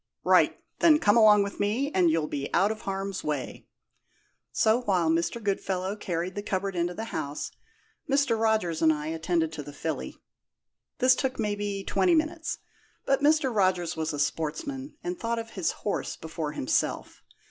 "Right! Then come along with me, and you'll be out of harm's way." So, while Mr. Goodfellow carried the cupboard into the house, Mr. Rogers and I attended to the filly. This took, maybe, twenty minutes; but Mr. Rogers was a sportsman, and thought of his horse before himself.